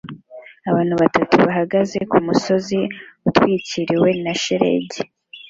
Abantu batatu bahagaze kumusozi utwikiriwe na shelegi